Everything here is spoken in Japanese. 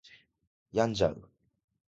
病んじゃう